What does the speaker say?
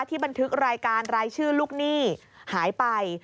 บันทึกรายการรายชื่อลูกหนี้หายไป